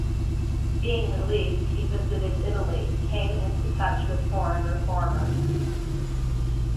Being released he visited Italy, came into touch with foreign reformers.